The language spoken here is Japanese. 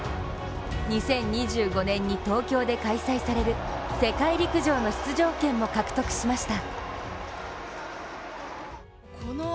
２０２５年に東京で開催される世界陸上の出場権も獲得しました。